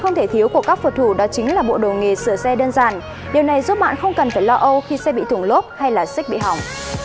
không thể thiếu của các vật thủ đó chính là bộ đồ nghề sửa xe đơn giản điều này giúp bạn không cần